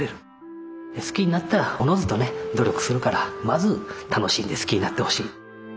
好きになったらおのずとね努力するからまず楽しんで好きになってほしい。